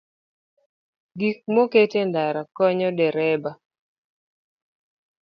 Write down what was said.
Gik moket e ndara konyo dereba